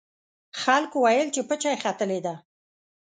خلکو ویل چې پچه یې ختلې ده.